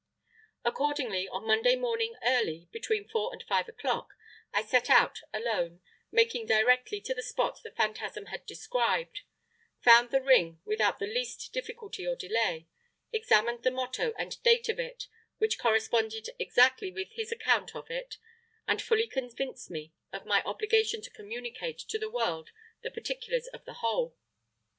Accordingly on Monday morning early, between four and five o'clock, I set out alone, making directly to the spot the phantasm had described; found the ring without the least difficulty or delay; examined the motto and date of it, which corresponded exactly with his account of it, and fully convinced me of my obligation to communicate to the world the particulars of the whole.